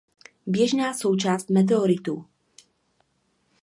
Běžná součást meteoritů.